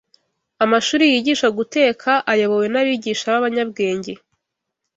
Amashuri yigisha guteka, ayobowe n’abigisha b’abanyabwenge